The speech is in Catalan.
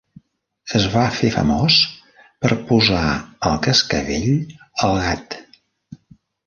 Es va fer famós per "posar el cascavell al gat".